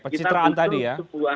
untuk sebuah tindakan